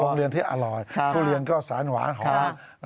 ลงเรียนที่อร่อยทุเรียนก็สารหวานหอม